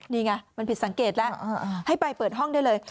นี่ไงมันผิดสังเกตแล้วให้ไปเปิดห้องได้เลย